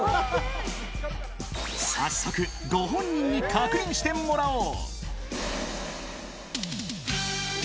早速、ご本人に確認してもらおう。